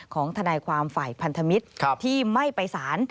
ทนายความฝ่ายพันธมิตรที่ไม่ไปสาร